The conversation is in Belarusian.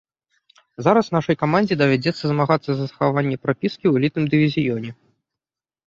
Зараз нашай камандзе давядзецца змагацца за захаванне прапіскі ў элітным дывізіёне.